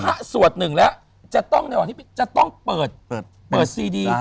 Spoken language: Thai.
เปิดหนึ่งแล้วจะต้องเปิดซีดี